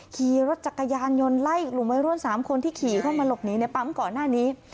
ขี่รถจักรยานยนต์ไล่กลุ่มวัยรุ่น๓คนที่ขี่เข้ามาหลบหนีในปั๊มก่อนหน้านี้